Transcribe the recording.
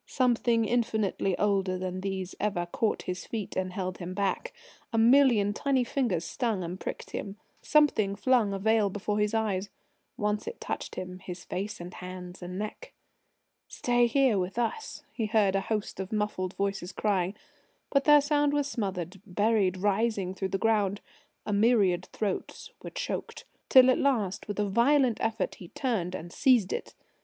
Something infinitely older than these ever caught his feet and held him back. A million tiny fingers stung and pricked him. Something flung a veil before his eyes. Once it touched him his face and hands and neck. "Stay here with us," he heard a host of muffled voices crying, but their sound was smothered, buried, rising through the ground. A myriad throats were choked. Till, at last, with a violent effort he turned and seized it.